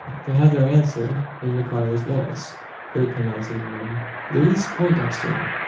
They have their answer in the crier's voice, heard pronouncing the name "Louise Poindexter!"